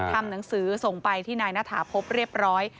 ทำหนังสือส่งไปที่นายณฐาพบเรียบร้อย